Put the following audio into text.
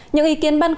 những ý kiến băn cố